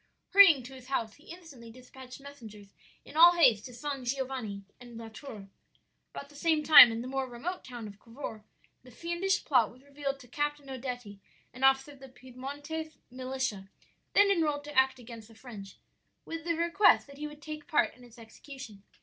"Hurrying to his house, he instantly dispatched messengers in all haste to San Giovanni and La Tour. "About the same time, in the more remote town of Cavour, the fiendish plot was revealed to Captain Odetti, an officer of the Piedmontese militia, then enrolled to act against the French, with a request that he would take part in its execution.